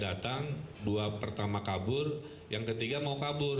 datang dua pertama kabur yang ketiga mau kabur